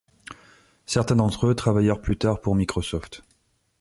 Certains d'entre eux travaillèrent plus tard pour Microsoft.